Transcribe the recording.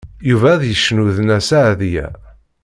Yuba ad yecnu d Nna Seɛdiya.